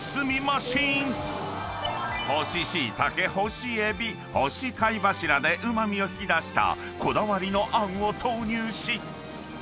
［干し椎茸干しエビ干し貝柱でうま味を引き出したこだわりの餡を投入し］